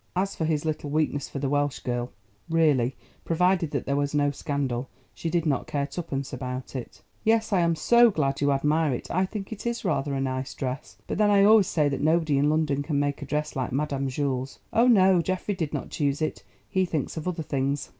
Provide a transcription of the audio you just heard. As for his little weakness for the Welsh girl, really, provided that there was no scandal, she did not care twopence about it. "Yes, I am so glad you admire it. I think it is rather a nice dress, but then I always say that nobody in London can make a dress like Madame Jules. Oh, no, Geoffrey did not choose it; he thinks of other things."